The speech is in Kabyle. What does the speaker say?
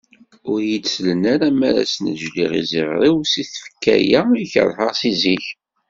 Ur iyi-d-sellen ara mi ara snejliɣ iziɣer-iw si tfekka-ya i kerheɣ seg zik.